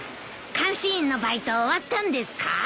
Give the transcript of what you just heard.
監視員のバイト終わったんですか？